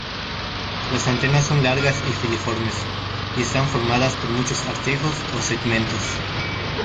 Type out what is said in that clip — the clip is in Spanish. Las antenas son largas y filiformes, y están formadas por muchos artejos o segmentos.